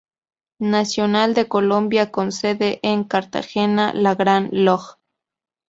Nacional de Colombia con sede en Cartagena, la Gran Log.·.